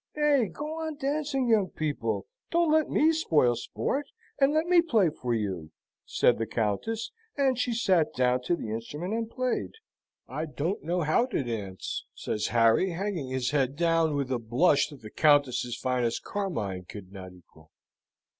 "Nay, go on dancing, young people! Don't let me spoil sport, and let me play for you," said the Countess; and she sate down to the instrument and played. "I don't know how to dance," says Harry, hanging his head down, with a blush that the Countess's finest carmine could not equal.